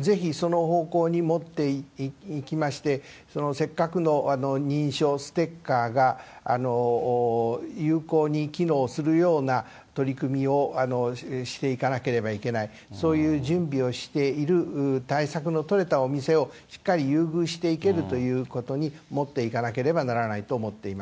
ぜひ、その方向に持っていきまして、せっかくの認証ステッカーが有効に機能するような取り組みをしていかなければいけない、そういう準備をしている対策の取れたお店をしっかり優遇していけるということに持っていかなければならないと思っています。